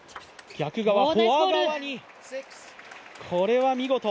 逆側、フォア側に、これは見事。